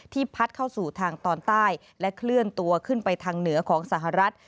พัดเข้าสู่ทางตอนใต้และเคลื่อนตัวขึ้นไปทางเหนือของสหรัฐ